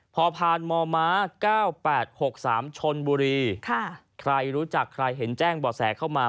พอผ่านมม๙๘๖๓ชนบุรีใครรู้จักใครเห็นแจ้งบ่อแสเข้ามา